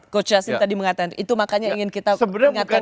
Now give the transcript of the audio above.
coach yassin tadi mengatakan itu makanya ingin kita ingatkan